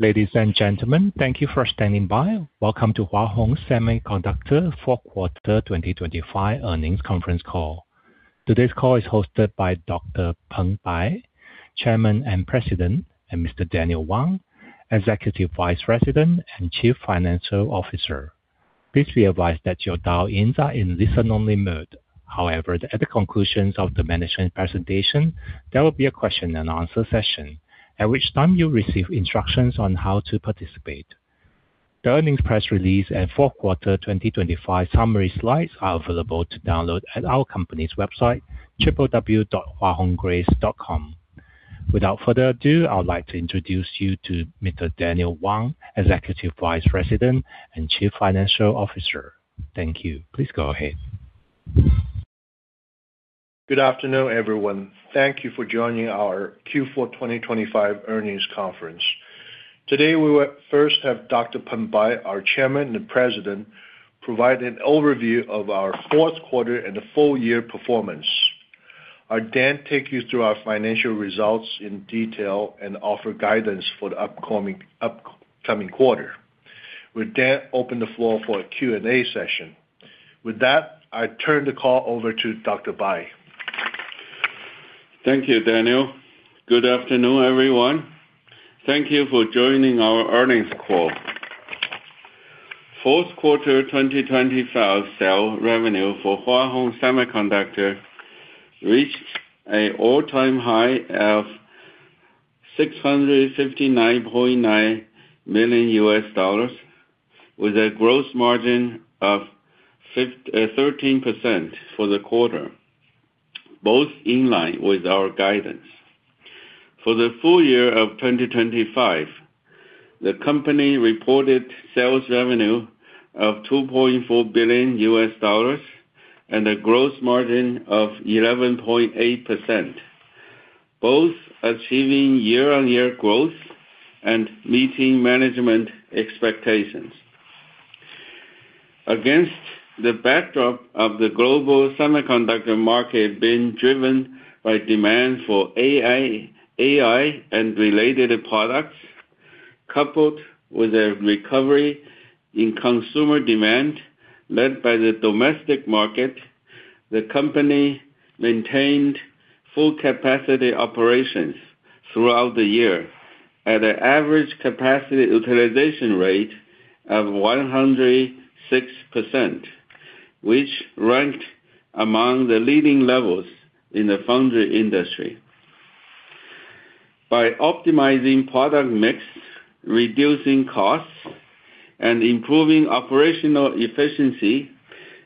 Ladies and gentlemen, thank you for standing by. Welcome to Hua Hong Semiconductor fourth quarter 2025 earnings conference call. Today's call is hosted by Dr. Peng Bai, Chairman and President, and Mr. Daniel Wang, Executive Vice President and Chief Financial Officer. Please be advised that your dial-ins are in listen-only mode. However, at the conclusion of the management presentation, there will be a question and answer session, at which time you'll receive instructions on how to participate. The earnings press release and fourth quarter 2025 summary slides are available to download at our company's website, www.huahonggrace.com. Without further ado, I would like to introduce you to Mr. Daniel Wang, Executive Vice President and Chief Financial Officer. Thank you. Please go ahead. Good afternoon, everyone. Thank you for joining our Q4 2025 earnings conference. Today, we will first have Dr. Peng Bai, our Chairman and President, provide an overview of our fourth quarter and the full year performance. Our Daniel Wang will take you through our financial results in detail and offer guidance for the upcoming quarter. With that, open the floor for a Q&A session. With that, I turn the call over to Dr. Bai. Thank you, Daniel. Good afternoon, everyone. Thank you for joining our earnings call. Fourth quarter 2025 sales revenue for Hua Hong Semiconductor reached an all-time high of $659.9 million, with a gross margin of 13% for the quarter, both in line with our guidance. For the full year of 2025, the company reported sales revenue of $2.4 billion and a gross margin of 11.8%, both achieving year-on-year growth and meeting management expectations. Against the backdrop of the global semiconductor market being driven by demand for AI, AI and related products, coupled with a recovery in consumer demand led by the domestic market, the company maintained full capacity operations throughout the year at an average capacity utilization rate of 106%, which ranked among the leading levels in the foundry industry. By optimizing product mix, reducing costs, and improving operational efficiency,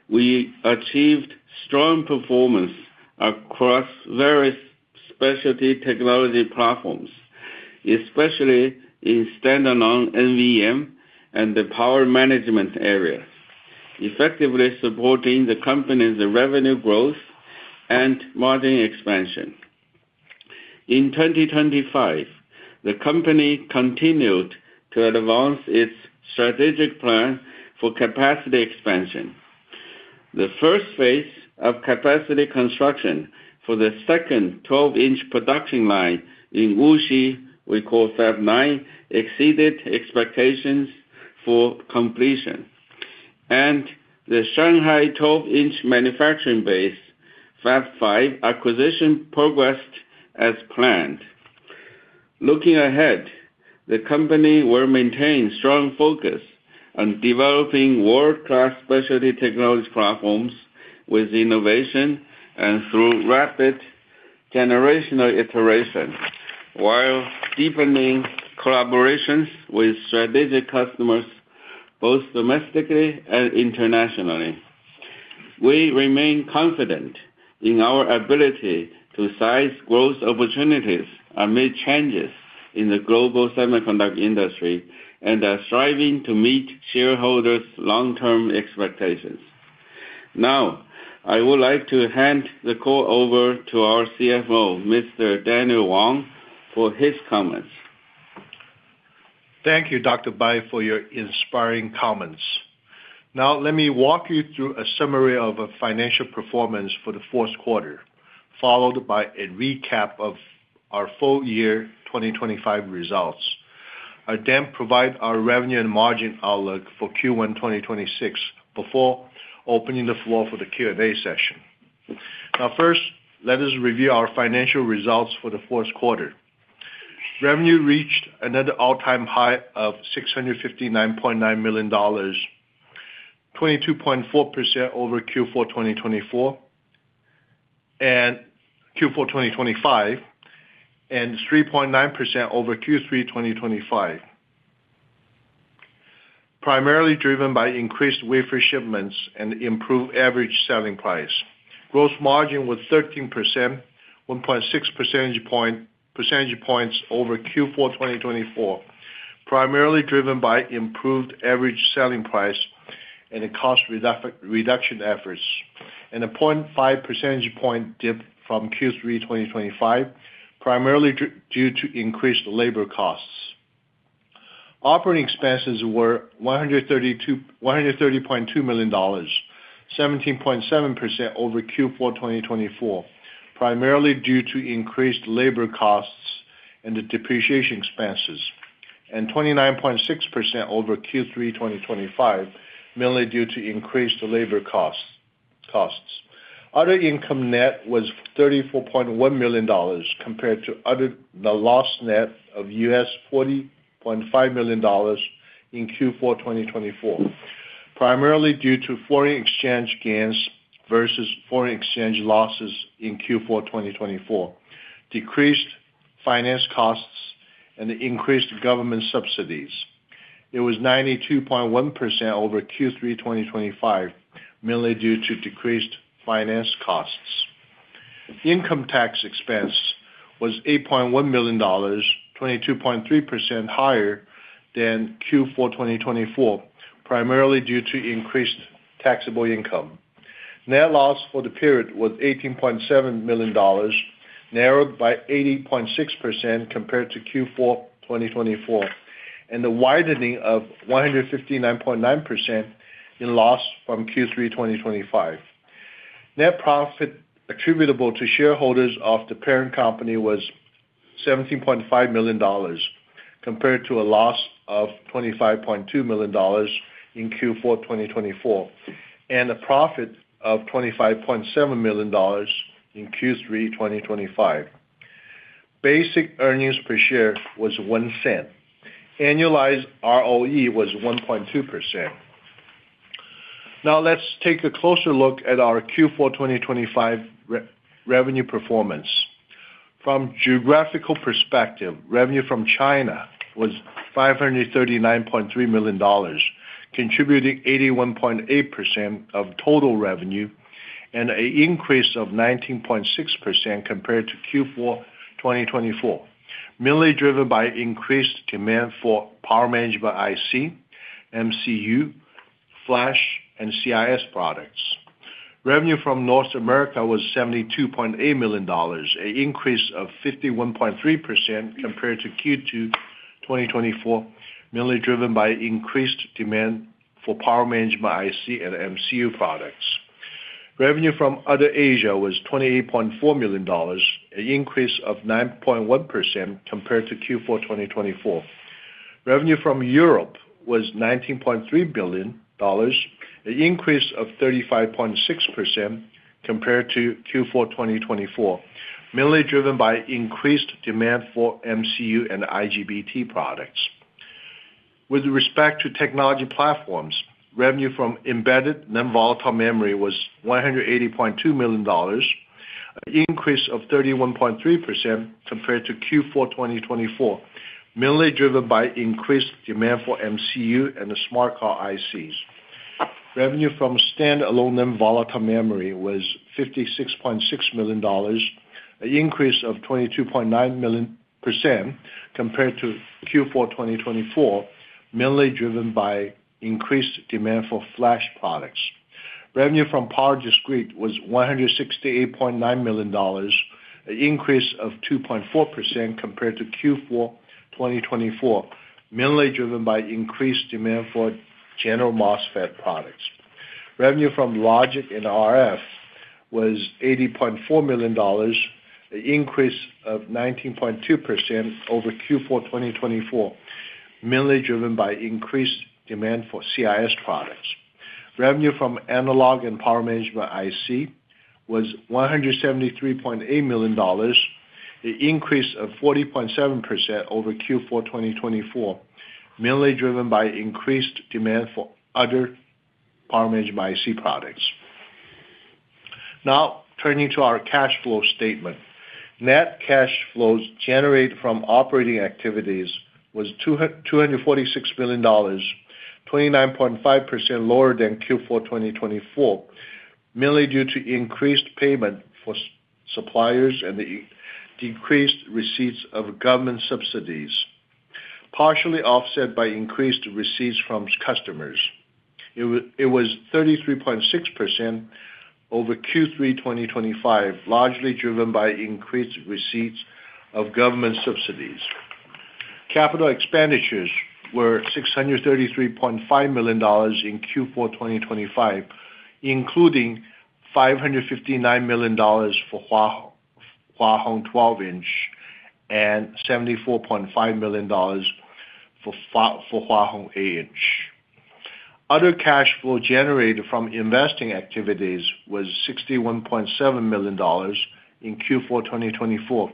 we achieved strong performance across various specialty technology platforms, especially in standalone NVM and the power management areas, effectively supporting the company's revenue growth and margin expansion. In 2025, the company continued to advance its strategic plan for capacity expansion. The first phase of capacity construction for the second 12-inch production line in Wuxi, we call Fab Nine, exceeded expectations for completion, and the Shanghai 12-inch manufacturing base, Fab Five, acquisition progressed as planned. Looking ahead, the company will maintain strong focus on developing world-class specialty technology platforms with innovation and through rapid generational iteration, while deepening collaborations with strategic customers, both domestically and internationally. We remain confident in our ability to seize growth opportunities amid changes in the global semiconductor industry and are striving to meet shareholders' long-term expectations. Now, I would like to hand the call over to our CFO, Mr. Daniel Wang, for his comments. Thank you, Dr. Bai, for your inspiring comments. Now, let me walk you through a summary of a financial performance for the fourth quarter, followed by a recap of our full year 2025 results. I then provide our revenue and margin outlook for Q1 2026 before opening the floor for the Q&A session. Now, first, let us review our financial results for the fourth quarter. Revenue reached another all-time high of $659.9 million, 22.4% over Q4 2024, and Q4 2025, and 3.9% over Q3 2025. Primarily driven by increased wafer shipments and improved average selling price. Gross margin was 13%, 1.6 percentage points over Q4 2024, primarily driven by improved average selling price and a cost reduction efforts, and a 0.5 percentage point dip from Q3 2025, primarily due to increased labor costs. Operating expenses were 132, $130.2 million, 17.7% over Q4 2024, primarily due to increased labor costs and the depreciation expenses, and 29.6% over Q3 2025, mainly due to increased labor costs, costs. Other income net was $34.1 million compared to the loss net of $40.5 million in Q4 2024, primarily due to foreign exchange gains versus foreign exchange losses in Q4 2024, decreased finance costs and increased government subsidies. It was 92.1% over Q3 2025, mainly due to decreased finance costs. Income tax expense was $8.1 million, 22.3% higher than Q4 2024, primarily due to increased taxable income. Net loss for the period was $18.7 million, narrowed by 80.6% compared to Q4 2024, and the widening of 159.9% in loss from Q3 2025. Net profit attributable to shareholders of the parent company was $17.5 million, compared to a loss of $25.2 million in Q4 2024, and a profit of $25.7 million in Q3 2025. Basic earnings per share was $0.01. Annualized ROE was 1.2%. Now, let's take a closer look at our Q4 2025 revenue performance. From geographical perspective, revenue from China was $539.3 million, contributing 81.8% of total revenue and an increase of 19.6% compared to Q4 2024, mainly driven by increased demand for power management IC, MCU, Flash, and CIS products. Revenue from North America was $72.8 million, an increase of 51.3% compared to Q2 2024, mainly driven by increased demand for power management IC and MCU products. Revenue from other Asia was $28.4 million, an increase of 9.1% compared to Q4 2024. Revenue from Europe was $19.3 billion, an increase of 35.6% compared to Q4 2024, mainly driven by increased demand for MCU and IGBT products. With respect to technology platforms, revenue from embedded non-volatile memory was $180.2 million, an increase of 31.3% compared to Q4 2024, mainly driven by increased demand for MCU and the smart car ICs. Revenue from standalone non-volatile memory was $56.6 million, an increase of 22.9% compared to Q4 2024, mainly driven by increased demand for flash products. Revenue from power discrete was $168.9 million, an increase of 2.4% compared to Q4 2024, mainly driven by increased demand for general MOSFET products. Revenue from logic and RF was $80.4 million, an increase of 19.2% over Q4 2024, mainly driven by increased demand for CIS products. Revenue from analog and power management IC was $173.8 million, an increase of 40.7% over Q4 2024, mainly driven by increased demand for other power management IC products. Now, turning to our cash flow statement. Net cash flows generated from operating activities was $246 million, 29.5% lower than Q4 2024, mainly due to increased payment for suppliers and the decreased receipts of government subsidies, partially offset by increased receipts from customers. It was 33.6% over Q3 2025, largely driven by increased receipts of government subsidies. Capital expenditures were $633.5 million in Q4 2025, including $559 million for Hua Hong 12-inch and $74.5 million for Hua Hong 8-inch. Other cash flow generated from investing activities was $61.7 million in Q4 2024,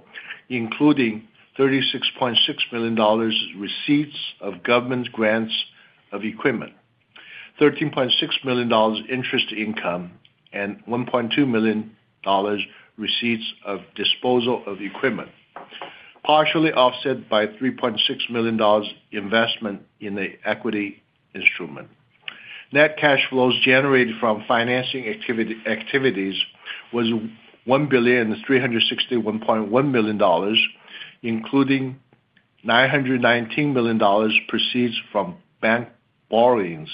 including $36.6 million receipts of government grants of equipment, $13.6 million interest income, and $1.2 million receipts of disposal of equipment, partially offset by $3.6 million investment in the equity instrument. Net cash flows generated from financing activities was $1,361.1 million, including $919 million proceeds from bank borrowings,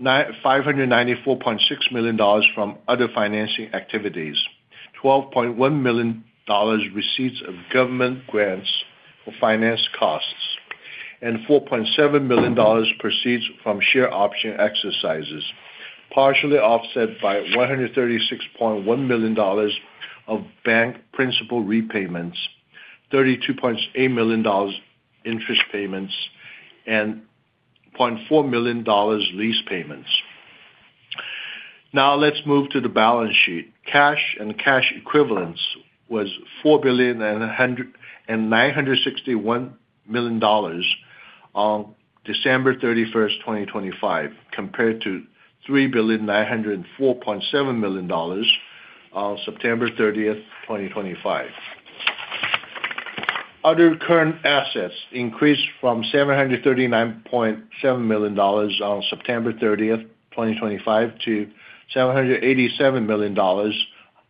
$594.6 million from other financing activities, $12.1 million receipts of government grants for finance costs. and $4.7 million proceeds from share option exercises, partially offset by $136.1 million of bank principal repayments, $32.8 million interest payments, and $0.4 million lease payments. Now let's move to the balance sheet. Cash and cash equivalents was $4,196 million on December 31, 2025, compared to $3,904.7 million on September 30, 2025. Other current assets increased from $739.7 million on September 30, 2025, to $787 million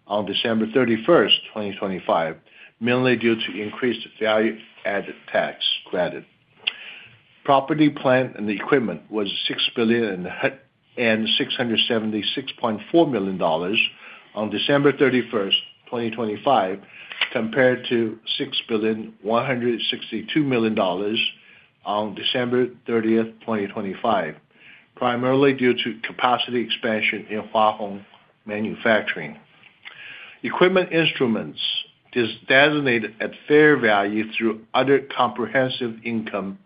on December 31, 2025, mainly due to increased value-added tax credit. Property, plant, and equipment was $6.676 billion on December 31, 2025, compared to $6.162 billion on December 30, 2025, primarily due to capacity expansion in Hua Hong manufacturing. Equity instruments designated at fair value through other comprehensive income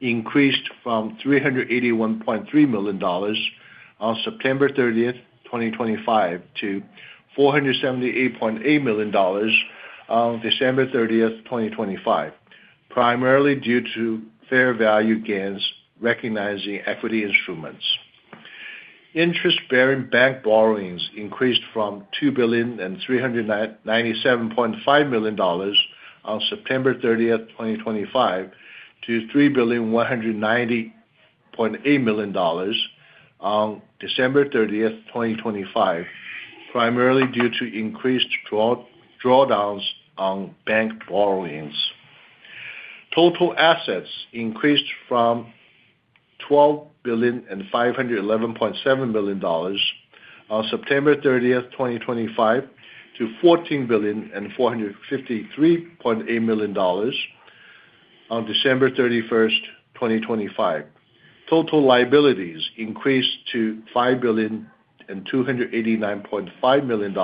increased from $381.3 million on September 30, 2025, to $478.8 million on December 30, 2025, primarily due to fair value gains recognizing equity instruments. Interest-bearing bank borrowings increased from $2.3975 billion on September 30, 2025, to $3.1908 billion on December 30, 2025, primarily due to increased drawdowns on bank borrowings. Total assets increased from $12,511.7 million on September 30, 2025, to $14,453.8 million on December 31, 2025. Total liabilities increased to $5,289.5 million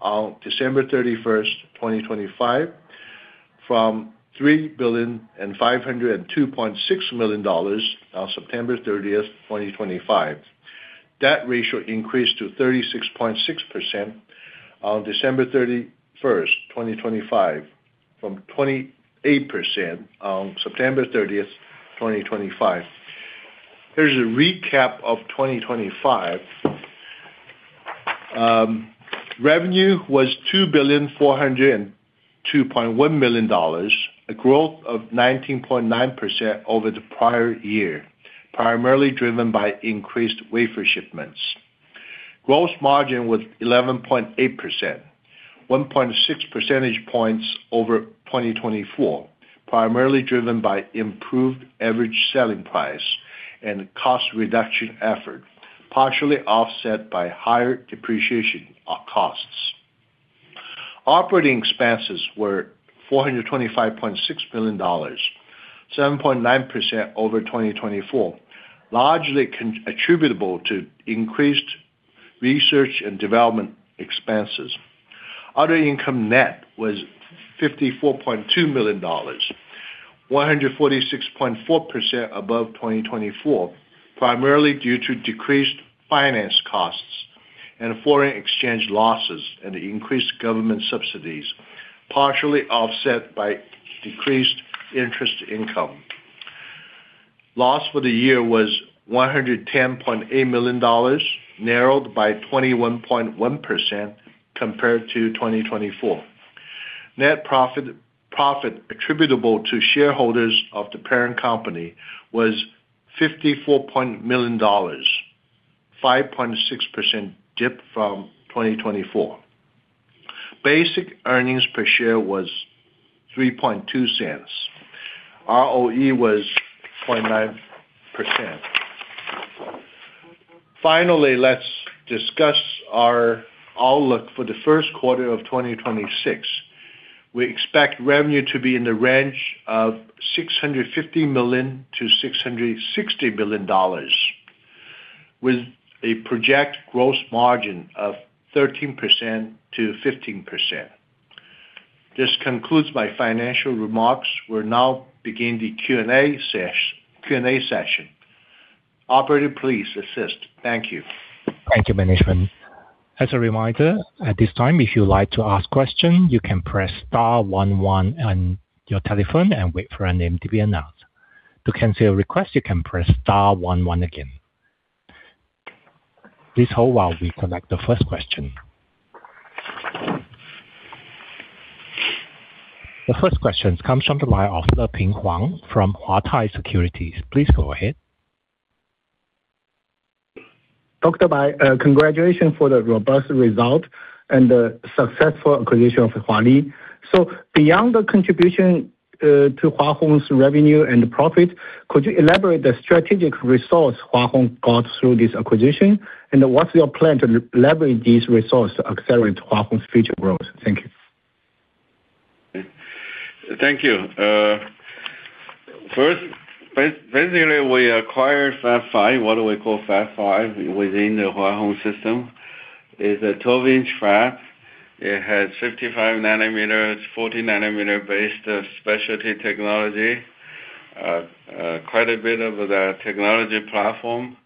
on December 31, 2025, from $3,502.6 million on September 30, 2025. Debt ratio increased to 36.6% on December 31, 2025, from 28% on September 30, 2025. Here's a recap of 2025. Revenue was $2,402.1 million, a growth of 19.9% over the prior year, primarily driven by increased wafer shipments. Gross margin was 11.8%, 1.6 percentage points over 2024, primarily driven by improved average selling price and cost reduction effort, partially offset by higher depreciation costs. Operating expenses were $425.6 billion, 7.9% over 2024, largely attributable to increased research and development expenses. Other income net was $54.2 million, 146.4% above 2024, primarily due to decreased finance costs and foreign exchange losses, and increased government subsidies, partially offset by decreased interest income. Loss for the year was $110.8 million, narrowed by 21.1% compared to 2024. Net profit, profit attributable to shareholders of the parent company was $54 million, 5.6% dip from 2024. Basic earnings per share was $0.032. ROE was 0.9%. Finally, let's discuss our outlook for the first quarter of 2026. We expect revenue to be in the range of $650 million-$660 billion, with a project gross margin of 13%-15%. This concludes my financial remarks. We'll now begin the Q&A session. Operator, please assist. Thank you. Thank you, management. As a reminder, at this time, if you'd like to ask question, you can press star one one on your telephone and wait for your name to be announced. To cancel your request, you can press star one one again. Please hold while we collect the first question. The first question comes from the line of Leping Huang from Huatai Securities. Please go ahead. Dr. Bai, congratulations for the robust result and the successful acquisition of Huali. So beyond the contribution to Hua Hong's revenue and profit, could you elaborate the strategic results Hua Hong got through this acquisition? And what's your plan to leverage these results to accelerate Hua Hong's future growth? Thank you. Thank you. First, basically, we acquired Fab Five. What do we call Fab Five within the Hua Hong system is a 12-inch fab. It has 55 nanometers, 40-nanometer-based specialty technology. Quite a bit of the technology platform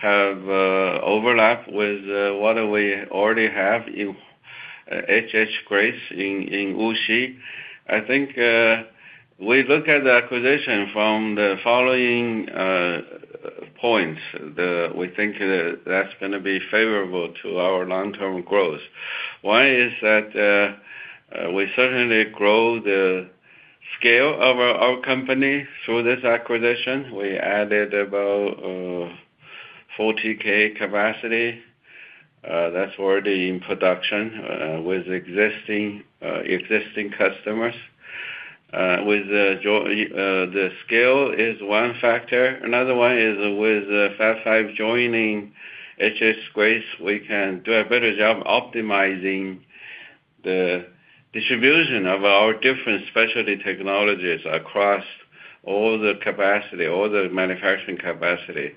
have overlap with what we already have in HH Grace in Wuxi. I think we look at the acquisition from the following points. We think that's gonna be favorable to our long-term growth. One is that we certainly grow the scale of our company. Through this acquisition, we added about 40K capacity. That's already in production with existing customers. With the scale is one factor. Another one is with Fab Five joining Hua Hong Semiconductor, we can do a better job optimizing the distribution of our different specialty technologies across all the capacity, all the manufacturing capacity.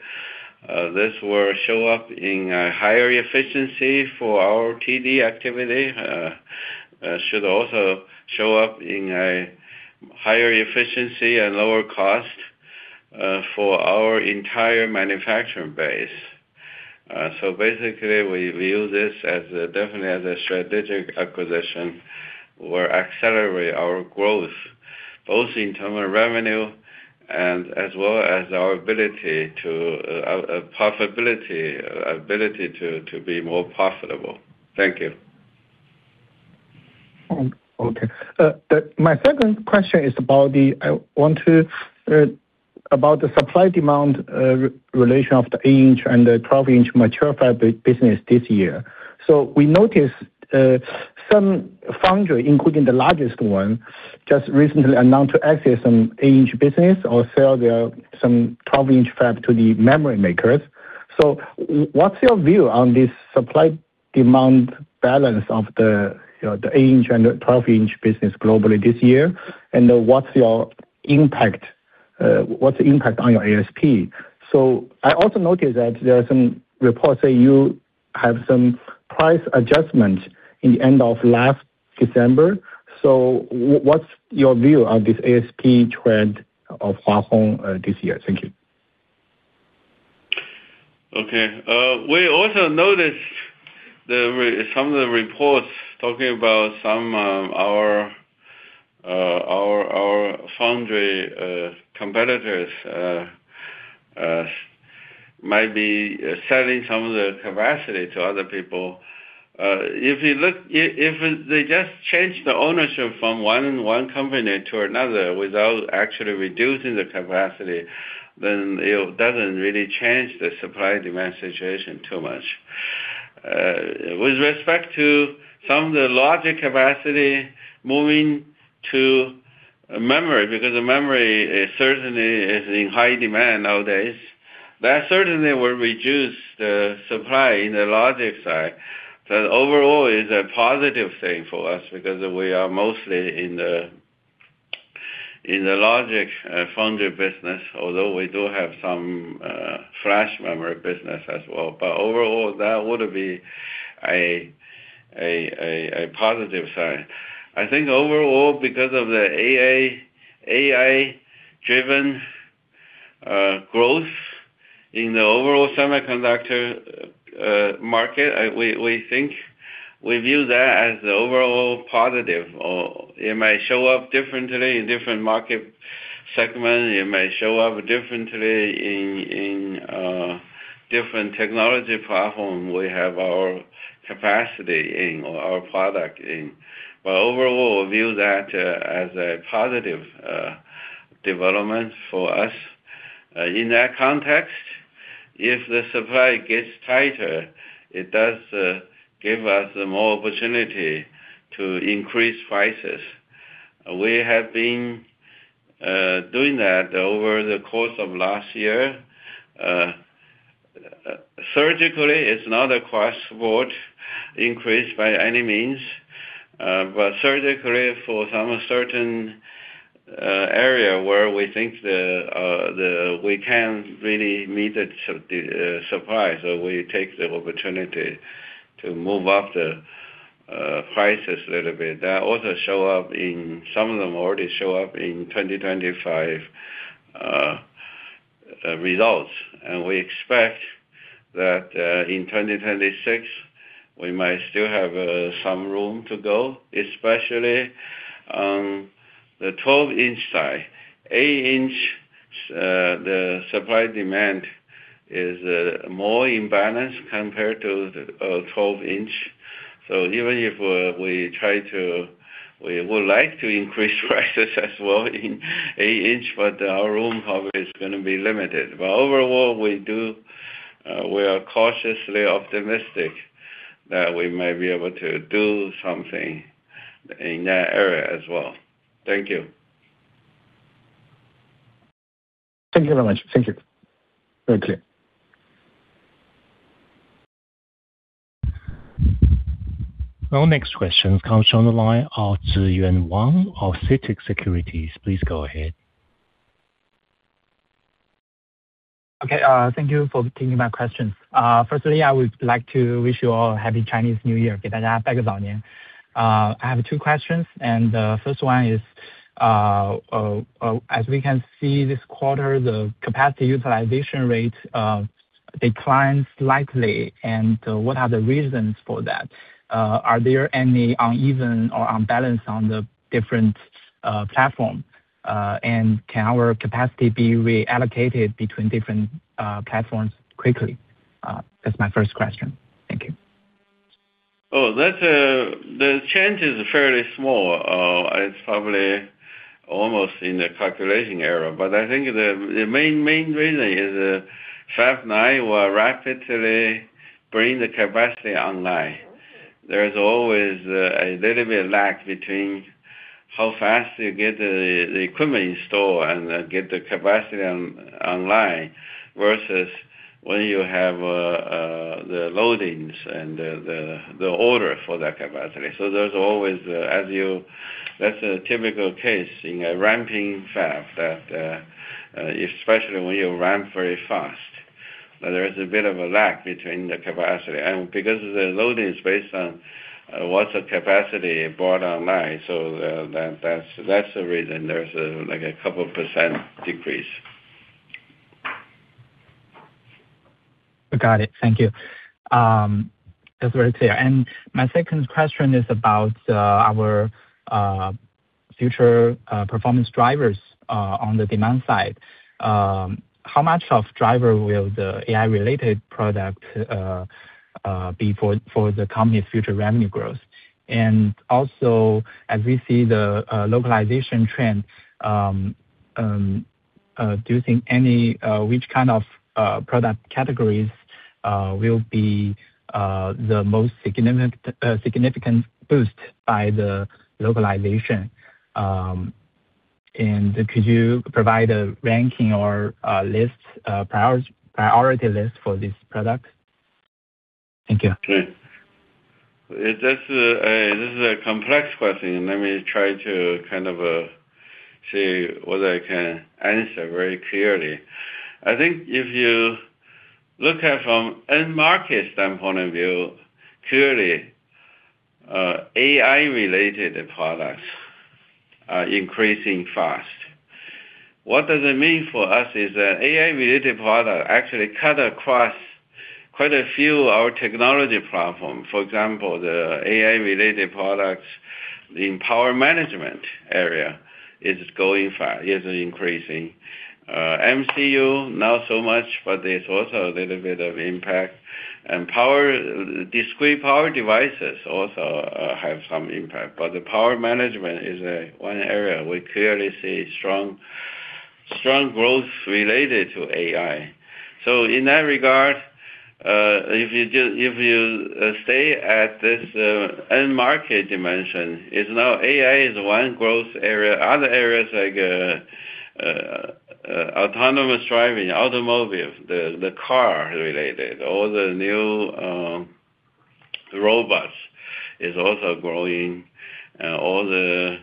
This will show up in a higher efficiency for our TD activity, should also show up in a higher efficiency and lower cost for our entire manufacturing base. So basically, we view this as definitely as a strategic acquisition, will accelerate our growth, both in terms of revenue and as well as our ability to profitability, ability to be more profitable. Thank you. Okay. My second question is about the supply-demand relation of the 8-inch and the 12-inch mature fab business this year. So we noticed some foundry, including the largest one, just recently announced to exit some 8-inch business or sell their some 12-inch fab to the memory makers. So what's your view on this supply-demand balance of the, you know, the 8-inch and the 12-inch business globally this year? And what's your impact, what's the impact on your ASP? So I also noticed that there are some reports that you have some price adjustments in the end of last December. So what's your view on this ASP trend of Hua Hong this year? Thank you. Okay. We also noticed some of the reports talking about some of our foundry competitors might be selling some of the capacity to other people. If you look, if they just change the ownership from one company to another without actually reducing the capacity, then it doesn't really change the supply-demand situation too much. With respect to some of the logic capacity moving to memory, because the memory is certainly in high demand nowadays. That certainly will reduce the supply in the logic side, but overall is a positive thing for us because we are mostly in the logic foundry business, although we do have some flash memory business as well. But overall, that would be a positive sign. I think overall, because of the AI, AI-driven, growth in the overall semiconductor, market, we think we view that as the overall positive, or it may show up differently in different market segment. It may show up differently in different technology platform we have our capacity in or our product in. But overall, view that as a positive development for us. In that context, if the supply gets tighter, it does give us more opportunity to increase prices. We have been doing that over the course of last year. Surgically, it's not an across-the-board increase by any means, but surgically, for some certain area where we think we can't really meet the supply, so we take the opportunity to move up the prices a little bit. That also shows up in some of them already show up in 2025 results, and we expect that, in 2026, we might still have some room to go, especially on the 12-inch side. 8-inch, the supply-demand is more imbalanced compared to the 12-inch. So even if we try to, we would like to increase prices as well in 8-inch, but our room probably is gonna be limited. But overall, we do, we are cautiously optimistic that we may be able to do something in that area as well. Thank you. Thank you very much. Thank you. Very clear. Our next question comes from the line of Ziyuan Wang of CITIC Securities. Please go ahead. Okay, thank you for taking my question. Firstly, I would like to wish you all happy Chinese New Year. I have two questions, and first one is, as we can see this quarter, the capacity utilization rate declined slightly, and what are the reasons for that? Are there any uneven or unbalanced on the different platform? And can our capacity be reallocated between different platforms quickly? That's my first question. Thank you. Oh, that's... The change is fairly small. It's probably almost in the calculation error, but I think the main reason is Fab Nine will rapidly bring the capacity online. There is always a little bit of lag between how fast you get the equipment installed and get the capacity online, versus when you have the loadings and the order for that capacity. So there's always, as you-- That's a typical case in a ramping fab, that especially when you ramp very fast, there is a bit of a lag between the capacity. And because the loading is based on what's the capacity brought online, so that, that's the reason there's a like a couple% decrease. Got it. Thank you. That's very clear. And my second question is about our future performance drivers on the demand side. How much of driver will the AI-related product be for the company's future revenue growth? And also, as we see the localization trend, do you think which kind of product categories will be the most significant boost by the localization? And could you provide a ranking or a list, priority list for this product? Thank you. Okay. It's just a, this is a complex question, and let me try to kind of, see what I can answer very clearly. I think if you look at from end market standpoint of view, clearly, AI-related products are increasing fast. What does it mean for us is that AI-related product actually cut across quite a few our technology platform. For example, the AI-related products in power management area is going fast, is increasing. MCU, not so much, but there's also a little bit of impact. And power, discrete power devices also, have some impact, but the power management is, one area we clearly see strong, strong growth related to AI. So in that regard, if you just, if you, stay at this, end market dimension, is now AI is one growth area. Other areas like autonomous driving, automotive, the car-related, all the new robots, is also growing. All the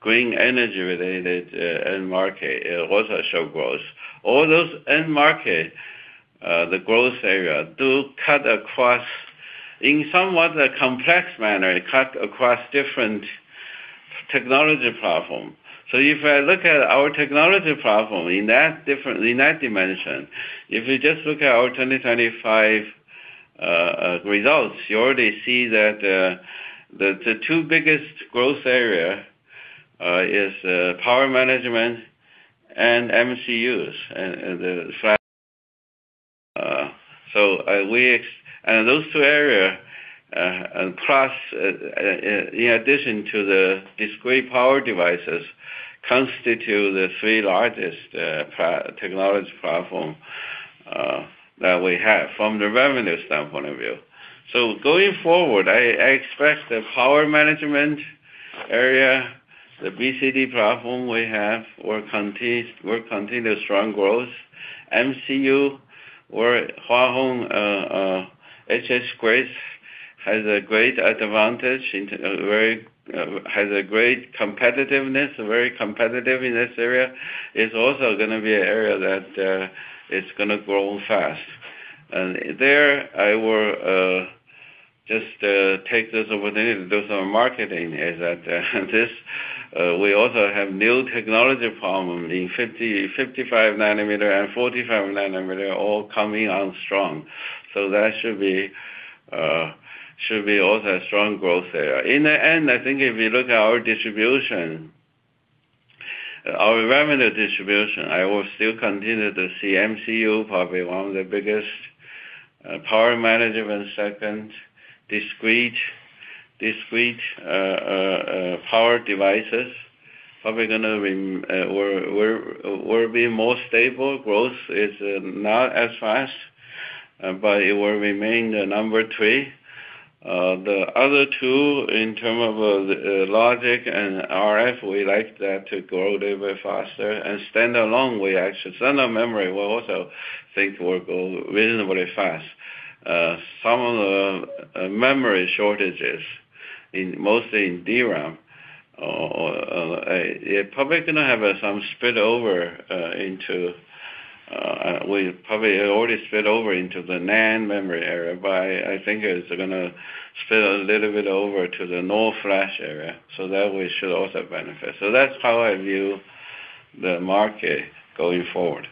green energy-related end market also show growth. All those end market, the growth area, do cut across in somewhat a complex manner, cut across different technology platform. So if I look at our technology platform in that different, in that dimension, if you just look at our 2025 results, you already see that the two biggest growth area is power management and MCUs, and the fab. And those two area, plus, in addition to the discrete power devices, constitute the three largest technology platform that we have from the revenue standpoint of view. So going forward, I expect the power management area, the BCD platform we have, will continue strong growth. MCU or Hua Hong, HH Grace has a great advantage in a very, has a great competitiveness, very competitive in this area. It's also gonna be an area that is gonna grow fast. And there, I will just take this opportunity to do some marketing, is that this we also have new technology platform in 55 nanometer and 45 nanometer, all coming on strong. So that should be also a strong growth area. In the end, I think if you look at our distribution, our revenue distribution, I will still continue to see MCU probably one of the biggest, power management, second, discrete, power devices, probably will be more stable. Growth is not as fast, but it will remain the number three. The other two, in terms of logic and RF, we like that to grow a little bit faster. And standalone, we actually, standalone memory, we also think will go reasonably fast. Some of the memory shortages, mostly in DRAM, it probably gonna have some spillover into—we probably already spillover into the NAND memory area, but I think it's gonna spill a little bit over to the NOR flash area, so that we should also benefit. That's how I view the market going forward.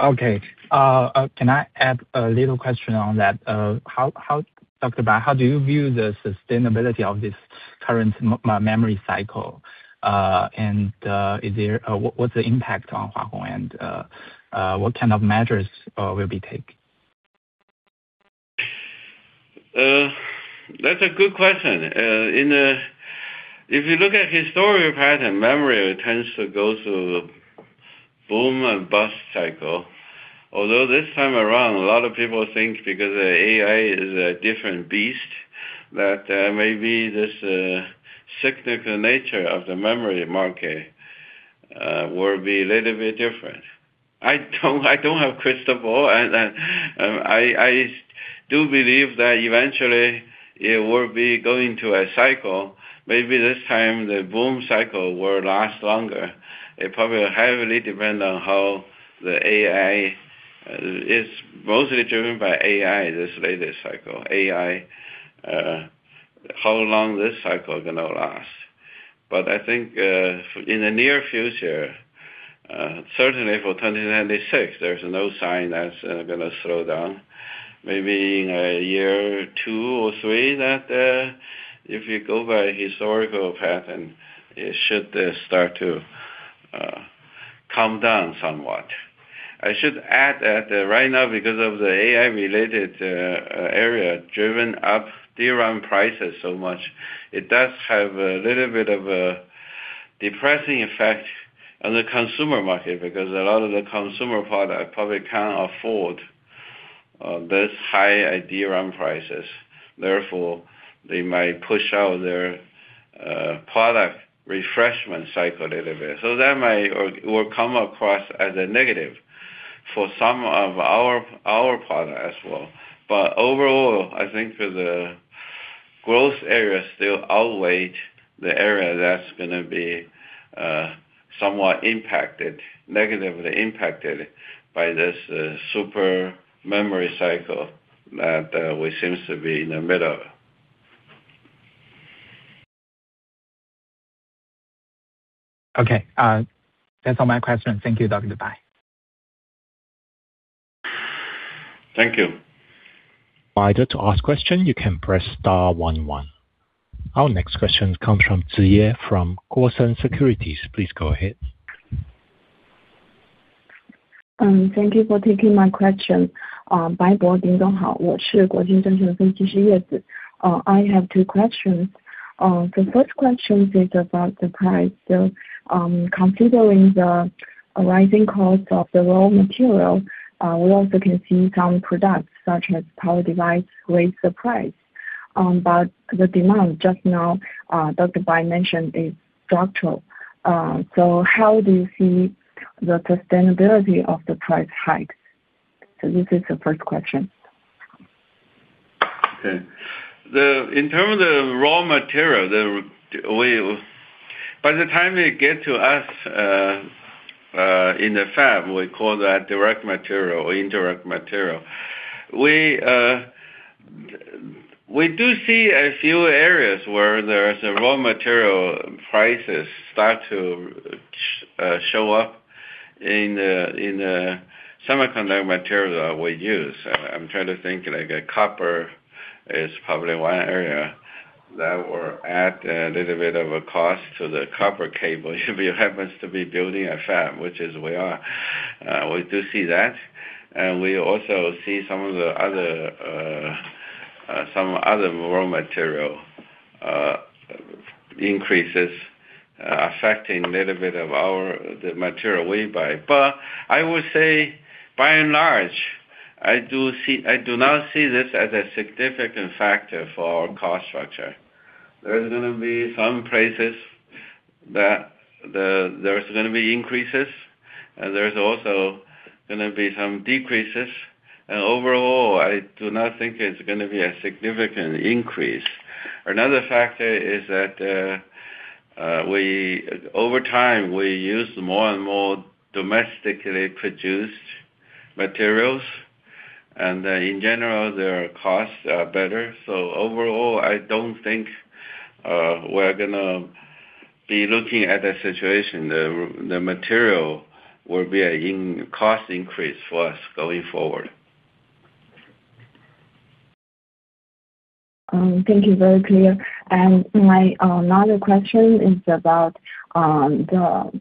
Okay. Can I add a little question on that? How, Dr. Bai, how do you view the sustainability of this current memory cycle? And, is there... what’s the impact on Hua Hong? And, what kind of measures will be taken? That's a good question. In the historic pattern, memory tends to go through boom and bust cycle. Although this time around, a lot of people think because AI is a different beast, that maybe this cyclical nature of the memory market will be a little bit different. I don't have crystal ball, and I do believe that eventually it will be going to a cycle. Maybe this time the boom cycle will last longer. It probably heavily depend on how the AI... It's mostly driven by AI, this latest cycle. AI how long this cycle is gonna last. But I think in the near future, certainly for 2026, there's no sign that's gonna slow down. Maybe in a year, 2, or 3, that, if you go by historical pattern, it should, start to, calm down somewhat. I should add that right now, because of the AI-related, area, driven up DRAM prices so much, it does have a little bit of a depressing effect on the consumer market, because a lot of the consumer product probably can't afford, this high DRAM prices. Therefore, they might push out their, product refreshment cycle a little bit. So that might or-- will come across as a negative for some of our, our product as well. But overall, I think the growth areas still outweigh the area that's gonna be, somewhat impacted, negatively impacted by this, super memory cycle that, we seems to be in the middle of. Okay. That's all my questions. Thank you, Dr. Bai. Thank you. Provider to ask question, you can press star one, one. Our next question comes from Ziye Zhang from Guosen Securities. Please go ahead. Thank you for taking my question. I have two questions. The first question is about the price. So, considering the rising cost of the raw material, we also can see some products, such as power device, raise the price. But the demand just now, Dr. Bai mentioned, is structural. So how do you see the sustainability of the price hike? So this is the first question. Okay. In terms of raw material, by the time it get to us in the fab, we call that direct material or indirect material. We do see a few areas where there is raw material prices start to show up in the semiconductor material that we use. I'm trying to think, like, copper is probably one area that will add a little bit of a cost to the copper cable, if it happens to be building a fab, which is we are. We do see that, and we also see some of the other some other raw material increases affecting a little bit of our the material we buy. But I would say, by and large, I do see I do not see this as a significant factor for our cost structure. There's gonna be some places that there's gonna be increases, and there's also gonna be some decreases. And overall, I do not think it's gonna be a significant increase. Another factor is that, we over time, we use more and more domestically produced materials, and in general, their costs are better. So overall, I don't think, we're gonna be looking at a situation, the material will be a cost increase for us going forward. Thank you. Very clear. And my another question is about the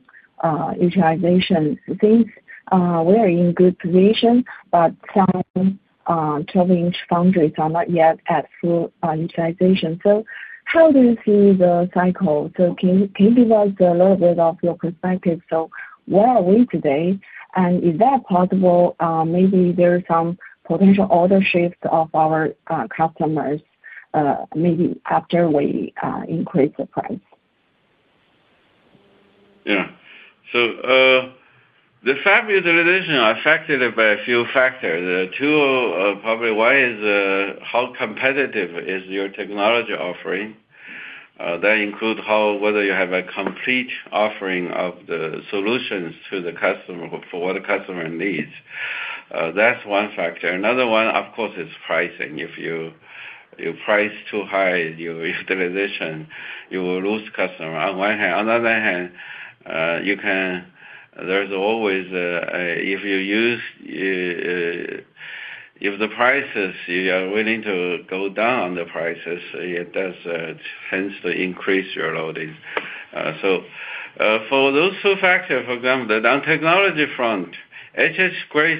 utilization. I think we are in good position, but some 12-inch foundries are not yet at full utilization. So how do you see the cycle? So can you give us a little bit of your perspective? So where are we today? And if that possible, maybe there are some potential order shifts of our customers, maybe after we increase the price. Yeah. So, the fab utilization are affected by a few factors. The two, probably one is, how competitive is your technology offering? That includes how, whether you have a complete offering of the solutions to the customer for what the customer needs. That's one factor. Another one, of course, is pricing. If you price too high, your utilization, you will lose customer, on one hand. On the other hand, you can... There's always, if the prices you are willing to go down on the prices, it does tends to increase your loadings. So, for those two factors, for example, on the technology front, Hua Hong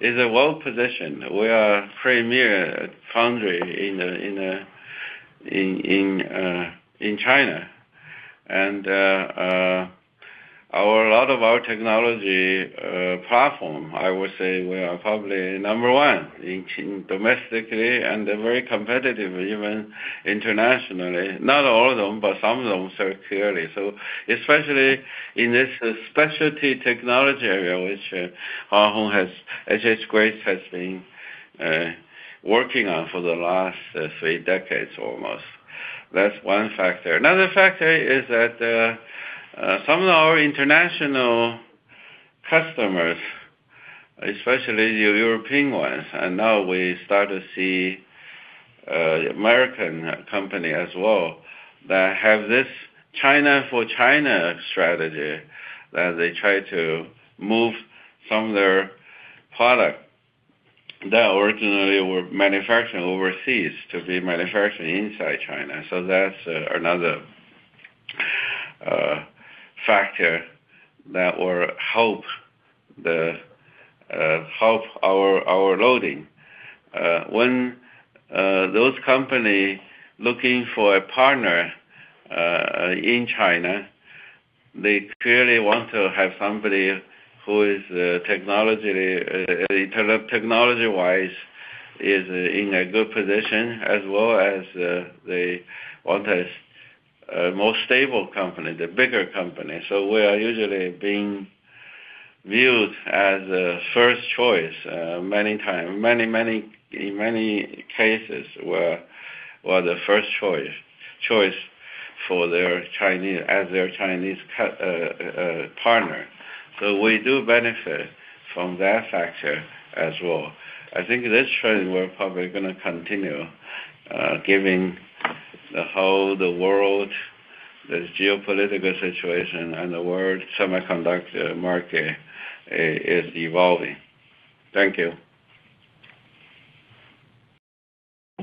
is well-positioned. We are premier foundry in China. A lot of our technology platform, I would say we are probably number one domestically and very competitive, even internationally. Not all of them, but some of them very clearly. So especially in this specialty technology area, which Hua Hong has, as Grace has been working on for the last three decades, almost. That's one factor. Another factor is that some of our international customers, especially your European ones, and now we start to see American company as well, that have this China-for-China strategy, that they try to move some of their product that originally were manufacturing overseas to be manufacturing inside China. So that's another factor that will help our loading. When those companies looking for a partner in China, they clearly want to have somebody who is technology-wise in a good position, as well as they want a more stable company, the bigger company. So we are usually being viewed as a first choice many times, many in many cases, we're the first choice for their Chinese as their Chinese partner. So we do benefit from that factor as well. I think this trend, we're probably gonna continue given the whole world the geopolitical situation and the world semiconductor market is evolving. Thank you.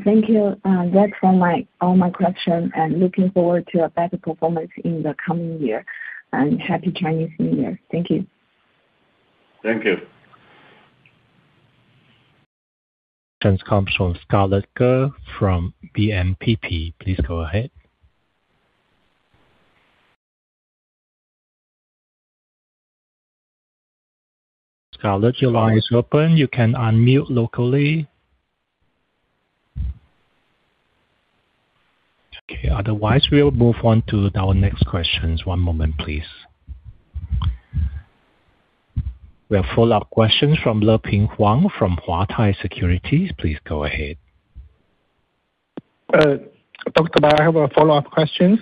Thank you. That's all my, all my questions, and looking forward to a better performance in the coming year. Happy Chinese New Year. Thank you. Thank you. Next comes from Scarlett Gu from BNPP. Please go ahead. Scarlett, your line is open. You can unmute locally. Okay, otherwise, we'll move on to our next questions. One moment, please. We have follow-up questions from Leping Huang, from Huatai Securities. Please go ahead. Dr. Bai, I have a follow-up questions.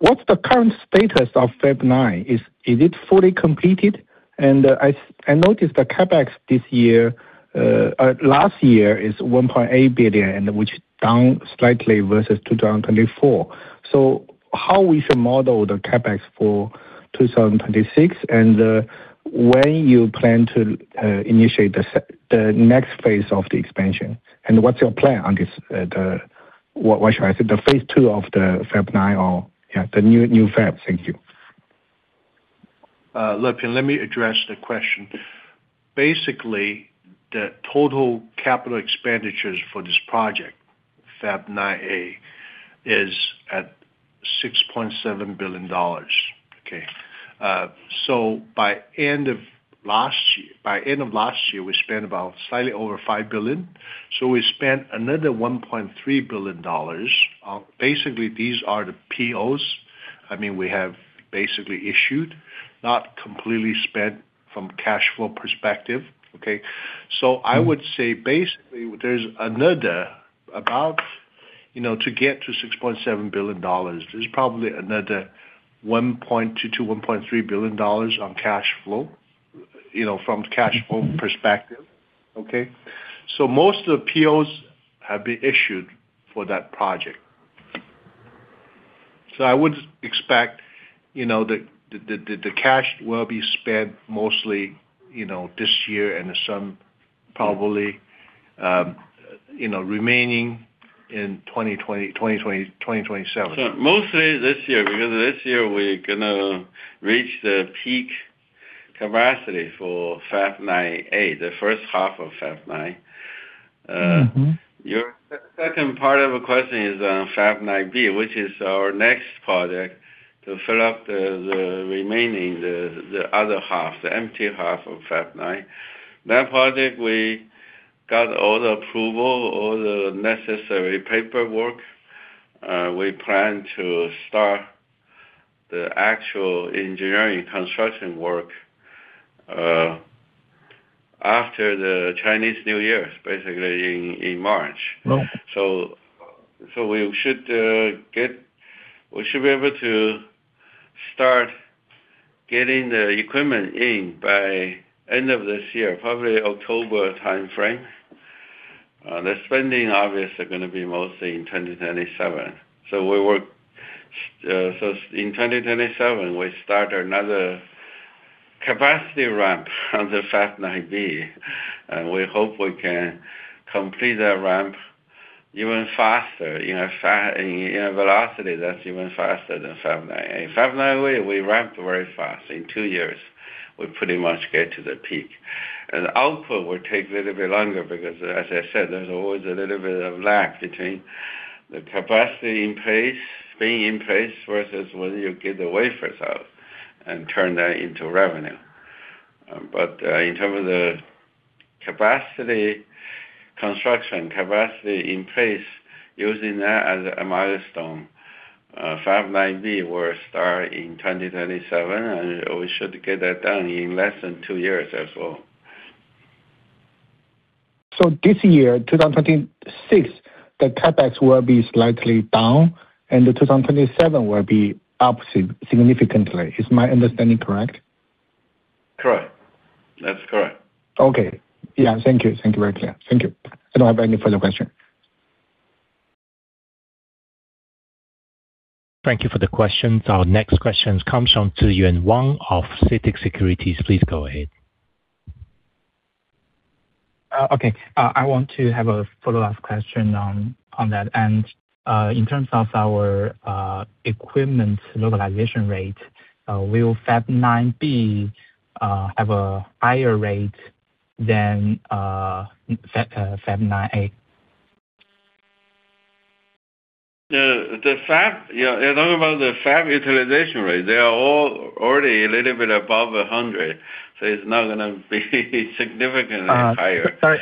What's the current status of Fab Nine? Is it fully completed? And I noticed the CapEx this year, last year, is $1.8 billion, and which down slightly versus 2024. So how we should model the CapEx for 2026, and when you plan to initiate the next phase of the expansion? And what's your plan on this, the, what should I say, the phase two of the Fab Nine or, yeah, the new fab? Thank you. Leping, let me address the question. Basically, the total capital expenditures for this project, Fab Nine A, is at $6.7 billion, okay? So by end of last year, by end of last year, we spent about slightly over $5 billion. So we spent another $1.3 billion. Basically, these are the POs, I mean, we have basically issued, not completely spent from cash flow perspective, okay? So I would say basically, there's another about, you know, to get to $6.7 billion, there's probably another $1.2 billion-$1.3 billion on cash flow, you know, from cash flow perspective, okay? So most of the POs have been issued for that project. So I would expect, you know, the cash will be spent mostly, you know, this year and some probably, you know, remaining in 2020, 2020, 2027. Mostly this year, because this year we're gonna reach the peak capacity for Fab Nine A, the first half of Fab Nine. Your second part of the question is on Fab Nine B, which is our next project to fill up the remaining, the other half, the empty half of Fab Nine. That project, we got all the approval, all the necessary paperwork. We plan to start the actual engineering construction work after the Chinese New Year, basically in March. Oh. So we should be able to start getting the equipment in by end of this year, probably October timeframe. The spending obviously gonna be mostly in 2027. So we will, so in 2027, we start another capacity ramp on the Fab Nine B, and we hope we can complete that ramp even faster, in a velocity that's even faster than Fab Nine A. Fab Nine A, we ramped very fast. In two years, we pretty much get to the peak. And output will take a little bit longer because, as I said, there's always a little bit of lag between the capacity in place, being in place, versus whether you get the wafers out and turn that into revenue. But, in terms of the capacity, construction capacity in place, using that as a milestone, Fab Nine B will start in 2027, and we should get that done in less than two years as well. This year, 2026, the CapEx will be slightly down, and the 2027 will be up significantly. Is my understanding correct? Correct. That's correct. Okay. Yeah, thank you. Thank you. Very clear. Thank you. I don't have any further questions. Thank you for the questions. Our next question comes from Ziyuan Wang of CITIC Securities. Please go ahead. Okay. I want to have a follow-up question on that. And, in terms of our equipment localization rate, will Fab Nine B have a higher rate than Fab Nine A? The fab, yeah, you're talking about the fab utilization rate. They are all already a little bit above 100, so it's not gonna be significantly higher. Sorry,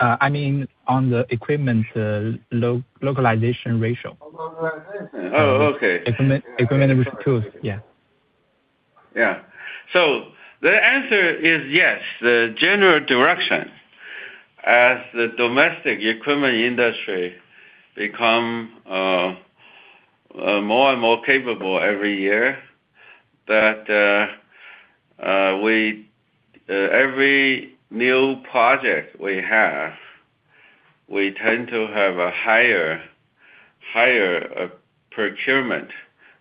I mean, on the equipment, localization ratio. Localization. Oh, okay. Equipment, equipment with tools. Yeah. Yeah. So the answer is yes, the general direction as the domestic equipment industry become more and more capable every year, that we every new project we have, we tend to have a higher, higher procurement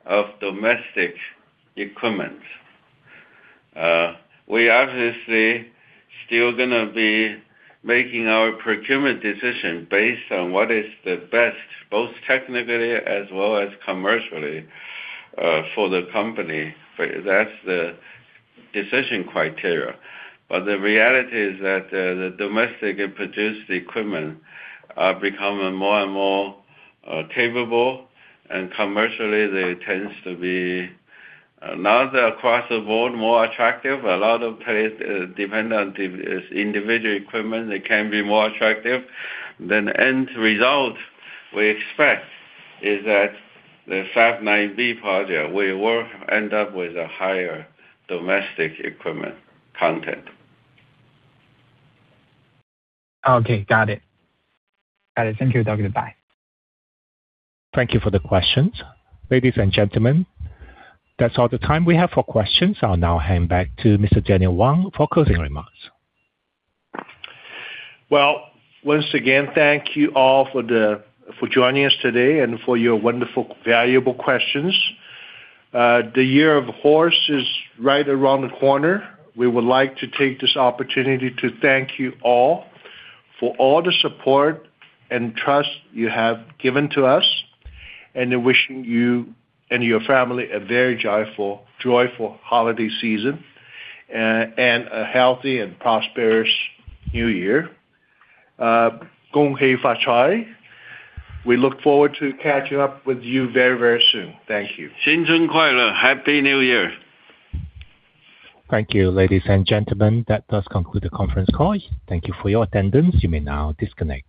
of domestic equipment. We obviously still gonna be making our procurement decision based on what is the best, both technically as well as commercially for the company. That's the decision criteria. But the reality is that the domestically produced equipment are becoming more and more capable, and commercially they tends to be, not across the board, more attractive. A lot of places depend on the its individual equipment, they can be more attractive. Then end result we expect is that the Fab Nine B project, we will end up with a higher domestic equipment content. Okay, got it. Got it. Thank you, Dr. Peng Bai. Thank you for the questions. Ladies and gentlemen, that's all the time we have for questions. I'll now hand back to Mr. Daniel Wang for closing remarks. Well, once again, thank you all for the, for joining us today and for your wonderful, valuable questions. The Year of Horse is right around the corner. We would like to take this opportunity to thank you all for all the support and trust you have given to us, and in wishing you and your family a very joyful, joyful holiday season, and a healthy and prosperous New Year. Gong Hei Fat Choy. We look forward to catching up with you very, very soon. Thank you. Xin nian kuai le. Happy New Year! Thank you, ladies and gentlemen, that does conclude the conference call. Thank you for your attendance. You may now disconnect.